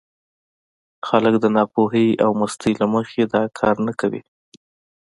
خلک د ناپوهۍ او مستۍ له مخې دا کار نه کوي.